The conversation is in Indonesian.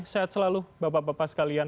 sehat selalu bapak bapak sekalian